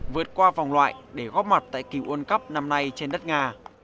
vượt qua vòng loại để góp mặt tại kỳ world cup năm nay trên đất nga